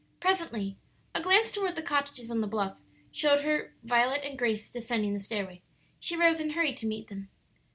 Presently a glance toward the cottages on the bluff showed her Violet and Grace descending the stairway. She rose and hurried to meet them.